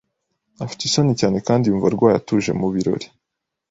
Afite isoni cyane kandi yumva arwaye atuje mu birori.